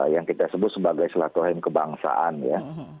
yang kita sebut sebagai silaturahim kebangsaan ya